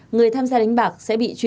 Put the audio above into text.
người tham gia đánh bạc sẽ bị chuyển